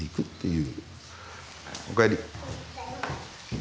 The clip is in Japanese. おかえり。